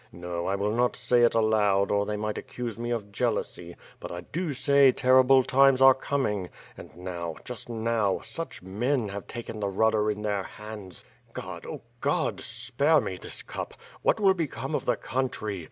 No, I will not say it aloud, or they might accuse me of jealousy, but I do say terrible times are coming, and now, just now, such men have taken the rudder in their hands! God, Oh God, spare me this cup. ... What will become of the country?